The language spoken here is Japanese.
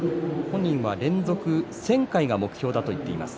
本人は連続１０００回が目標だと言っています。